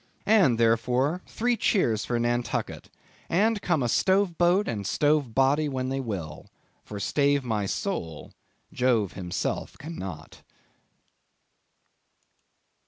And therefore three cheers for Nantucket; and come a stove boat and stove body when they will, for stave my soul, Jove himself cannot.